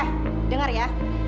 hei dengar ya